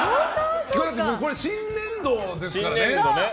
これ、新年度ですからね。